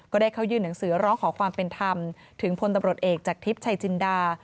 ก็ได้เข้ายื่นหนังสือร้องขอความเป็นธรรมถึงพลตำรวจเอกจากทิพย์ชัยจินดา